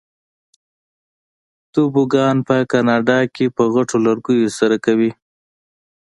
توبوګان په کاناډا کې په غټو لرګیو سره کوي.